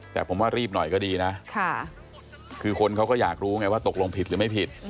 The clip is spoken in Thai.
แต่ผมว่ารีบหน่อยก็ดีนะคือคนเขาก็อยากรู้ไงว่าตกลงผิดหรือไม่ผิด